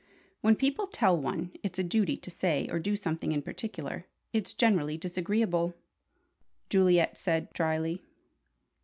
"When people tell one it's a duty to say or do something in particular, it's generally disagreeable," Juliet said, drily.